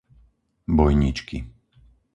Bojničky